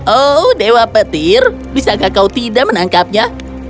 oh dewa petir bisakah kau tidak menangkapnya